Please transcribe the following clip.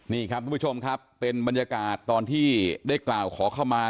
นี่ครับทุกผู้ชมครับเป็นบรรยากาศตอนที่ได้กล่าวขอเข้ามา